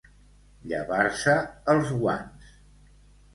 Llevar-se els guants.